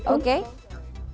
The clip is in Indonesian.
oke terima kasih